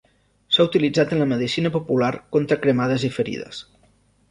S'ha utilitzat en la medicina popular contra cremades i ferides.